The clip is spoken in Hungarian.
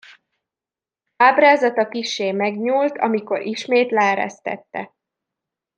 Ábrázata kissé megnyúlt, amikor ismét leeresztette.